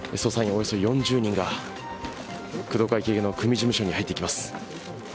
およそ４０人が工藤会系の組事務所に入っていきます。